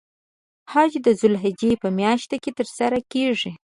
حج د ذوالحجې په میاشت کې تر سره کیږی.